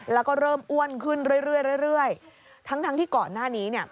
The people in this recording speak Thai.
แล้วก็เริ่มอ้วนขึ้นเรื่อยทั้งที่ก่อนหน้านี้เนี่ย